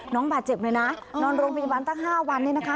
น้องบาดเจ็บเลยนะนอนโรงพยาบาลตั้ง๕วันนี้นะคะ